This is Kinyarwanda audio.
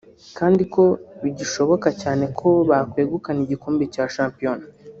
kandi ko bigishoboka cyane ko bakwegukana igikombe cya shampiyona